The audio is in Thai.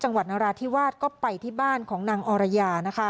จังหวัดนราธิวาสก็ไปที่บ้านของนางออรยา